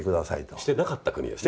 してなかった国ですね。